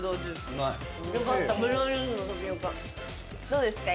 どうですか？